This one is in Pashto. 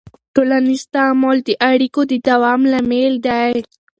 ټولنیز تعامل د اړیکو د دوام لامل دی.